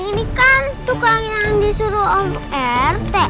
ini kan tukang yang disuruh om rt